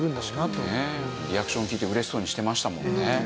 リアクション聞いて嬉しそうにしてましたもんね。